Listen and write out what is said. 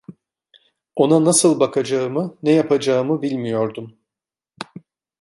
Ona nasıl bakacağımı, ne yapacağımı bilmiyordum.